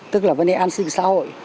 tức là vấn đề an sinh xã hội